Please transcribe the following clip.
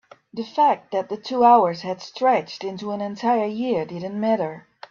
the fact that the two hours had stretched into an entire year didn't matter.